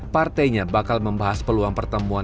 partainya bakal membahas peluang pertemuan